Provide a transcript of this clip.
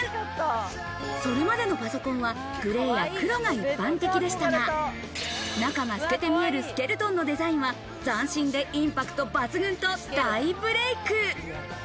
それまでのパソコンはグレーや黒が一般的でしたが、中が透けて見えるスケルトンのデザインは斬新でインパクト抜群と大ブレイク。